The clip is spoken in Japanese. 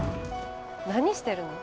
何してるの？